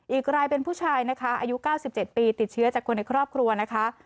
อีกรายเป็นผู้ชายนะคะอายุ๙๗ปีติดเชื้อจากคนในครอบครัวนะคะ